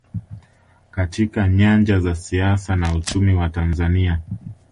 katika nyanja za siasa na uchumi wa Tanzania